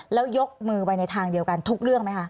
แล้วยกมือไปในทางเดียวกันทุกเรื่องไหมคะ